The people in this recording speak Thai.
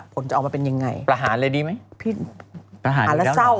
ผลจะออกมาเป็นยังไงประหารเลยดีไหมอันแล้วเศร้า